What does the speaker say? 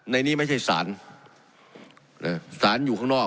ในนี้ไม่ใช่สารสารอยู่ข้างนอก